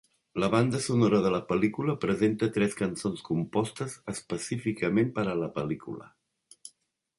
La banda sonora de la pel·lícula presenta tres cançons compostes específicament per a la pel·lícula.